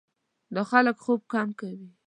دا خلک خوب کم کوي.